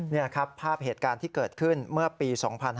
นี่ครับภาพเหตุการณ์ที่เกิดขึ้นเมื่อปี๒๕๕๙